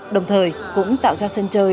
đồng thời cũng tạo ra sân chơi